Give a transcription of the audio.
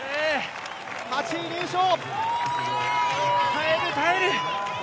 ８位入賞耐える、耐える！